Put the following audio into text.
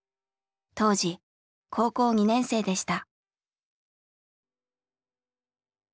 当時高校２年生でした。